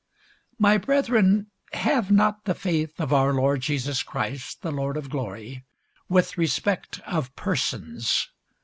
My brethren, have not the faith of our Lord Jesus Christ, the Lord of glory, with respect of persons.